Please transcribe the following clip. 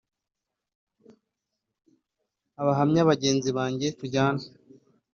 Abahamya bagenzi banjye tujyana